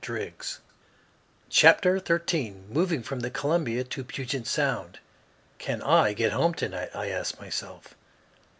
] CHAPTER THIRTEEN MOVING FROM THE COLUMBIA TO PUGET SOUND "CAN I get home tonight?" I asked myself.